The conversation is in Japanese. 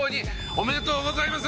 おめでとうございます！